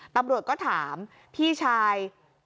ตำรวจก็ถามพี่ชาย